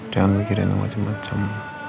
jangan mikirin macam macam